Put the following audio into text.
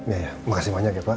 ya ya makasih banyak ya pak